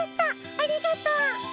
ありがとう。